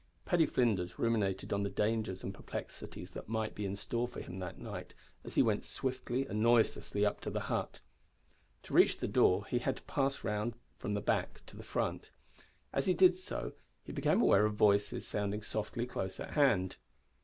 Paddy Flinders ruminated on the dangers and perplexities that might be in store for him that night, as he went swiftly and noiselessly up to the hut. To reach the door he had to pass round from the back to the front. As he did so he became aware of voices sounding softly close at hand.